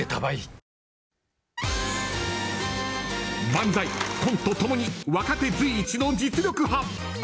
漫才、コントともに若手随一の実力派。